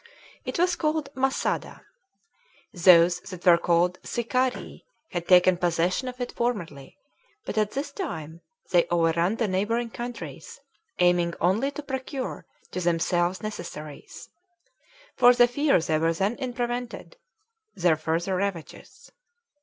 It was called Masada. Those that were called Sicarii had taken possession of it formerly, but at this time they overran the neighboring countries, aiming only to procure to themselves necessaries; for the fear they were then in prevented their further ravages.